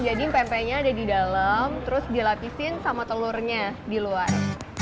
jadi pempenya ada di dalam terus dilapisin sama telurnya di luar